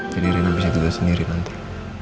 jadi rena bisa tidur sendiri nanti